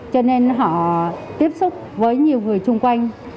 cho nên họ tiếp xúc với nhiều người chung quanh